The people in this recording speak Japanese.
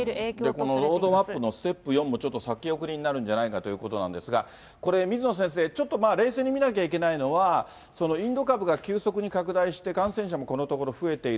このロードマップのステップ４もちょっと先送りになるんじゃないかということなんですが、これ水野先生、ちょっと冷静に見なきゃいけないのは、インド株が急速に拡大して、感染者もこのところ増えている。